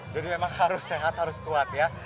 jadi memang harus sehat harus kuat ya